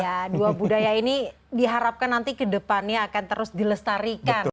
ya dua budaya ini diharapkan nanti ke depannya akan terus dilestarikan